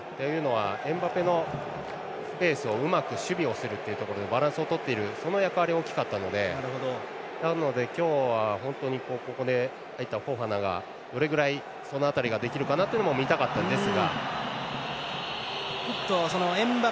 というのはエムバペのスペースをうまく守備をするということでバランスをとっている役割は大きかったのでなので、今日は本当にここで入ったフォファナがその辺りができるかなというのも見たかったんですが。